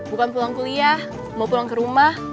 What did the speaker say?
bukan pulang kuliah mau pulang ke rumah